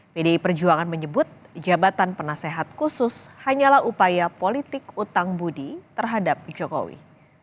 pdi perjuangan menyebut jabatan penasehat khusus hanyalah upaya politik utang budi terhadap jokowi